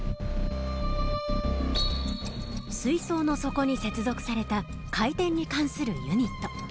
水槽の底に接続された回転に関するユニット。